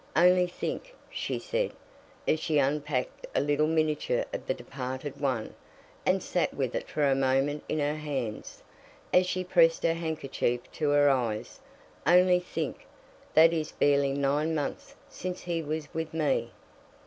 "Only think," she said, as she unpacked a little miniature of the departed one, and sat with it for a moment in her hands, as she pressed her handkerchief to her eyes, "only think, that it is barely nine months since he was with me?"